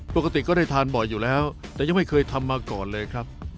ปกติก็ได้ทานบ่อยอยู่แล้วแต่ยังไม่เคยทำมาก่อนเลยครับ